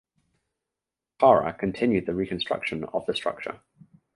Carra continued the reconstruction of the structure.